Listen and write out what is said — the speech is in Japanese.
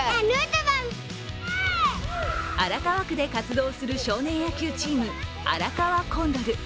荒川区で活動する少年野球チーム、荒川コンドル。